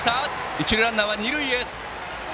一塁ランナー、二塁へ。